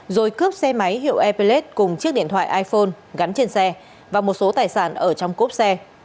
rồi cướp xe máy hiệu epelles cùng chiếc điện thoại iphone gắn trên xe và một số tài sản ở trong cốp xe